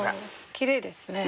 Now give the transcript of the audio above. きれいですね。